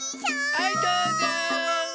はいどうぞ。